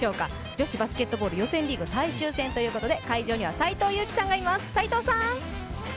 女子バスケットボール予選リーグ最終戦ということで、会場には斎藤佑樹さんがいます。